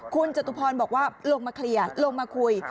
คุณจตุพรบอกว่าลงมาเคลียร์ลงมาคุย